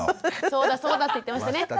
そうだそうだって言ってましたね。